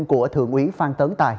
của thượng ý phan tấn tài